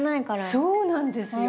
そうなんですよ。